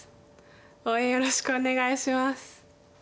応援よろしくお願いします。